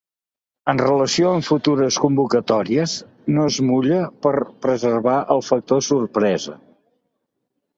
En relació amb futures convocatòries, no es mulla per a preservar el factor sorpresa.